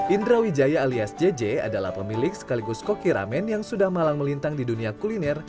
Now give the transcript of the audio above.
indra wijaya alias jj adalah pemilik sekaligus koki ramen yang sudah malang melintang di dunia kuliner